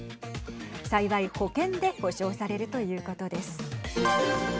幸い保険で補償されるということです。